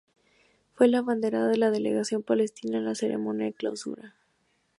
Fue la abanderada de la delegación palestina en la ceremonia de clausura.